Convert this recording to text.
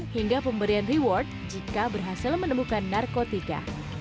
hingga pemberian reward jika berhasil menemukan narkotika